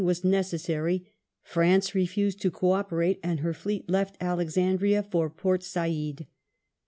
eSon necessary France refused to co operate, and her Fleet left Alex andria for Port Said.